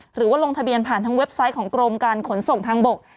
หรือว่าลงทะเบียนผ่านทางเว็บไซต์ของกรมการขนส่งทางบก